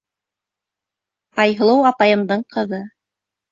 Айһылыу апайымдың ҡыҙы.